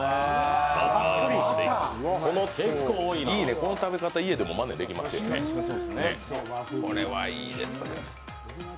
いいね、この食べ方、家でもまねできますよね、これはいいですね。